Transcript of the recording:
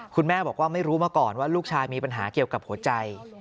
คุณแม่บอกว่าไม่รู้มาก่อนว่าลูกชายมีปัญหาเกี่ยวกับหัวใจ